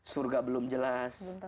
surga belum jelas